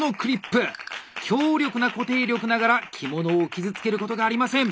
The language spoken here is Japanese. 強力な固定力ながら着物を傷つけることがありません！